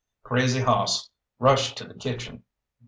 Crazy Hoss rushed to the kitchen.